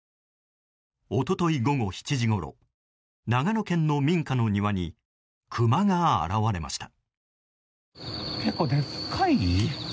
一昨日午後７時ごろ長野県の民家の庭にクマが現れました。